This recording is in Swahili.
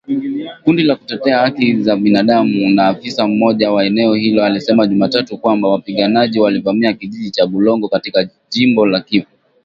Kundi la kutetea haki za binadamu na afisa mmoja wa eneo hilo alisema Jumatatu kwamba wapiganaji walivamia kijiji cha Bulongo katika jimbo la Kivu .